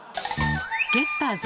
ゲッターズ